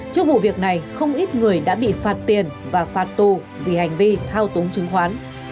trước vụ việc này không ít người đã bị phạt tiền và phạt tù vì hành vi thao túng chứng khoán